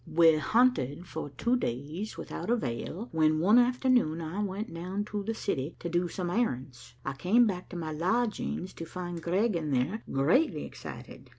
We hunted for two days without avail when, one afternoon, I went down to the city to do some errands. I came back to my lodgings to find Griegen there greatly excited.